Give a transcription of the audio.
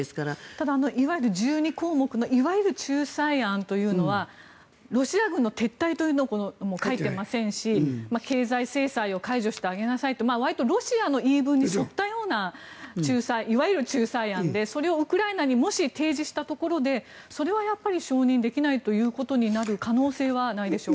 ただ、いわゆる１２項目の仲裁案というのはロシア軍の撤退というのも書いていませんし経済制裁を解除してあげなさいってわりとロシアの言い分に沿ったようないわゆる仲裁案でそれをウクライナにもし提示したところでそれはやっぱり承認できないということになる可能性はないでしょうか。